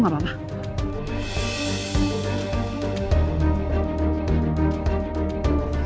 kamu gak apa apa